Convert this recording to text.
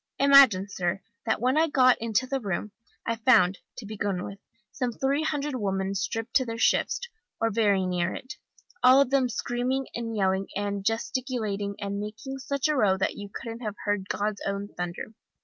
Imagine, sir, that when I got into the room, I found, to begin with, some three hundred women, stripped to their shifts, or very near it, all of them screaming and yelling and gesticulating, and making such a row that you couldn't have heard God's own thunder.